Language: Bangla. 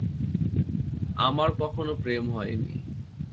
আমার কখনো প্রেম হয় নি।